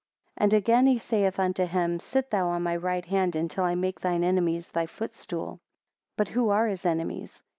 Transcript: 22 And again he saith unto him, Sit thou on my right hand until I make thine enemies thy foot stool. 23 But who are his enemies?